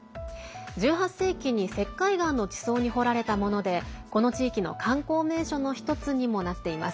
１８世紀に石灰岩の地層に彫られたものでこの地域の観光名所の１つにもなっています。